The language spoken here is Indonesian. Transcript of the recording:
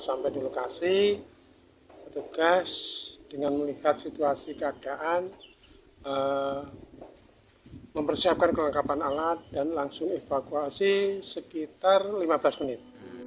sampai di lokasi petugas dengan melihat situasi keadaan mempersiapkan kelengkapan alat dan langsung evakuasi sekitar lima belas menit